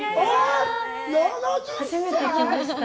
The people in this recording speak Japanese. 初めて来ました。